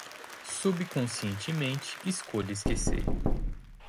Subconscientemente escolha esquecer